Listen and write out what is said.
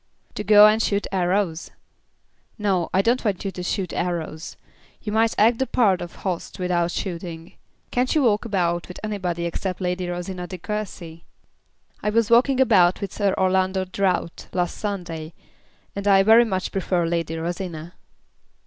"To go and shoot arrows?" "No; I don't want you to shoot arrows. You might act the part of host without shooting. Can't you walk about with anybody except Lady Rosina De Courcy?" "I was walking about with Sir Orlando Drought last Sunday, and I very much prefer Lady Rosina."